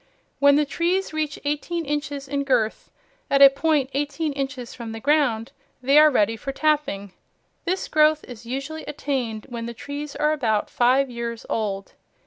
When the trees reach eighteen inches in girth at a point eighteen inches from the ground, they are ready for tapping. This growth is usually attained when the trees are about five years old.